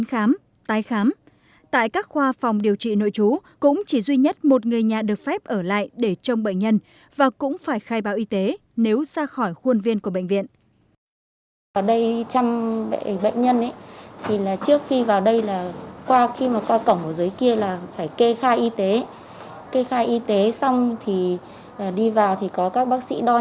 kê khai y tế xong thì đi vào thì có các bác sĩ đo nhiệt độ và phải đóng dấu vào tay đấy ạ thì mới được vào ạ